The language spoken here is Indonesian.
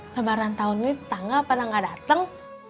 lembaran tahun ini tangga pada gak dateng